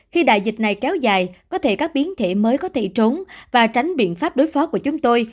khi đại dịch này kéo dài có thể các biến thể mới có thể trốn và tránh biện pháp đối phó của chúng tôi